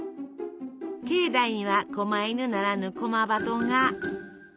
境内にはこま犬ならぬこま鳩が。